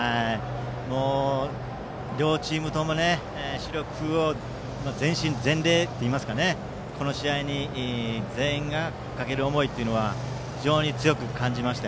両チームとも、死力を全身全霊といいますかこの試合に全員がかける思いは非常に強く感じました。